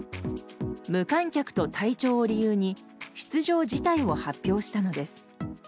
無観客と体調を理由に出場辞退を発表したのです。